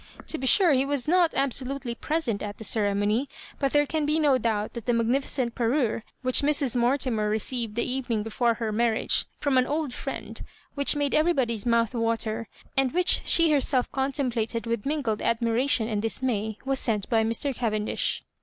To be sure, he was not absolutely present at the ceremony, but there can be no doubt that the magnificent parure which Mrs. Mortimer received the evening before her marriage, "from an old friend," which made everybody's mouth water, and which she herself contemplated with mingled admiration and dis may, was sent by Mr. Cavendish.